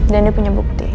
dan dia punya bukti